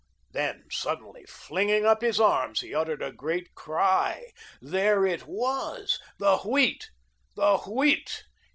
Then, suddenly flinging up his arms, he uttered a great cry. There it was. The Wheat! The Wheat!